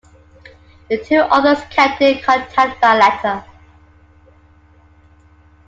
The two authors kept in contact by letter.